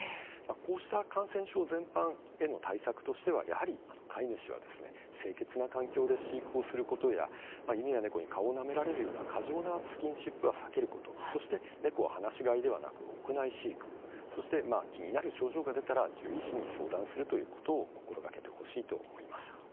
こうした感染症全般への対策としてはやはり飼い主は清潔な環境で飼育をすることや犬や猫に顔をなめられるような過剰なスキンシップは避けることそして猫は放し飼いではなく屋内飼育そして、気になる症状が出たら獣医師に相談するということを心がけてほしいと思います。